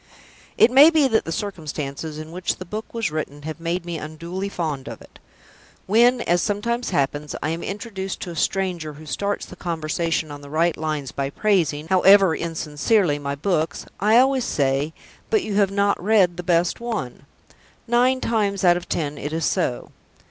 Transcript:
It may be that the circumstances in which the book was written have made me unduly fond of it. When, as sometimes happens, I am introduced to a stranger who starts the conversation on the right lines by praising, however insincerely, my books, I always say, "But you have not read the best one." Nine times out of ten it is so.